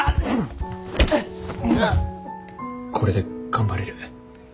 これで頑張れる。